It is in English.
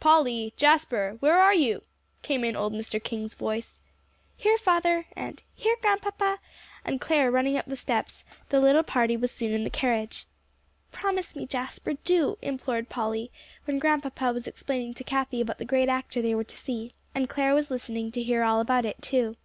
"Polly Jasper where are you?" came in old Mr. King's voice. "Here, father," and "Here, Grandpapa," and Clare running up the steps, the little party was soon in the carriage. "Promise me, Jasper, do," implored Polly, when Grandpapa was explaining to Cathie about the great actor they were to see, and Clare was listening to hear all about it, too.